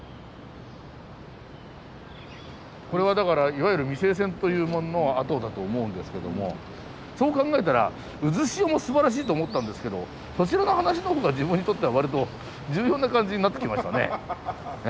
これはだからいわゆる未成線というものの跡だと思うんですけどもそう考えたら渦潮もすばらしいと思ったんですけどそちらの話のほうが自分にとってはわりと重要な感じになってきましたね。